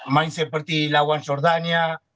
main seperti lawan shortania